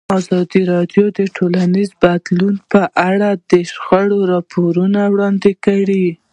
ازادي راډیو د ټولنیز بدلون په اړه د شخړو راپورونه وړاندې کړي.